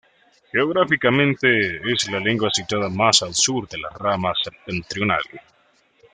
Geográficamente, es la lengua situada más al sur de la rama septentrional.